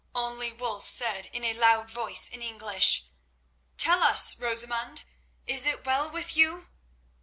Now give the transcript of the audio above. Only Wulf said in a loud voice, in English: "Tell us, Rosamund, is it well with you?"